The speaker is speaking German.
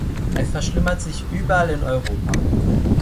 Es verschlimmert sich überall in Europa.